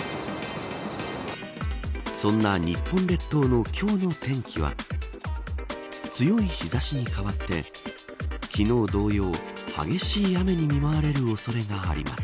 そんな日本列島の今日の天気は強い日差しに代わって昨日同様、激しい雨に見舞われる恐れがあります。